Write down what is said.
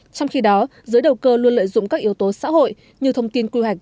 trong khi đó giới đầu cơ luôn lợi dụng các yếu tố xã hội như thông tin quy hoạch